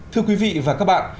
thưa quý vị và các bạn